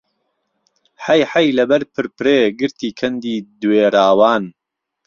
حهیحهی له بهر پرپرێ گرتی کهندی دوێراوان